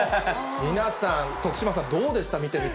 皆さん、徳島さん、どうでした、見てみて。